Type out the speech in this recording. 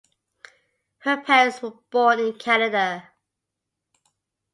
Her parents were born in Canada.